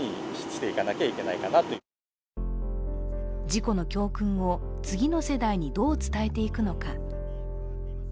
事故の教訓を次の世代にどう伝えていくのか。